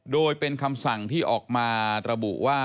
โดยเป็นคำสั่งที่ออกมาระบุว่า